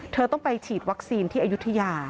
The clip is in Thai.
เธอต้องไปฉีดวัคซีนที่อายุทยา